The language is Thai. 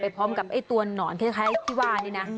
พร้อมกับไอ้ตัวหนอนคล้ายที่ว่านี่นะ